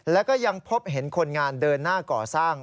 แล้วก็ยังพบเห็นคนงานเดินหน้าก่อสร้าง